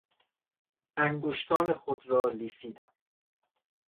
انگشتان خودم را لیسیدم.